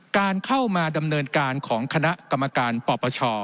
การเข้ามาดำเนินการของคณะกรรมการปปช